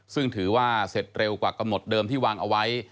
ซึ่งถือว่าเสร็จเร็วกว่ากำหนดเดิมที่วางเอาไว้